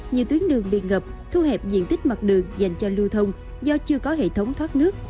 nhiều tuyến đường bị ngập thu hẹp diện tích mặt đường dành cho lưu thông do chưa có hệ thống thoát nước